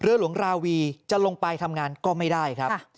หลวงราวีจะลงไปทำงานก็ไม่ได้ครับ